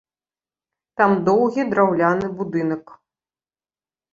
Там доўгі драўляны будынак.